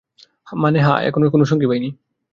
মানে, হ্যাঁ, এখনো কোনো সঙ্গী পাইনি।